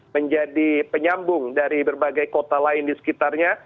menjadi penyambung dari berbagai kota lain di sekitarnya